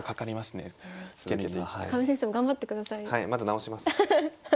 まず治します。